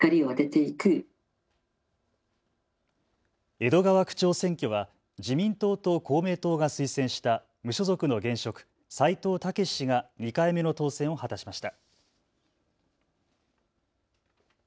江戸川区長選挙は自民党と公明党が推薦した無所属の現職、斉藤猛氏が２回目の当選を果たしました。